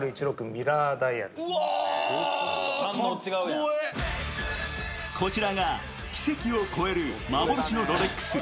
ミラーダイヤルですねこちらが奇跡を超える幻のロレックス。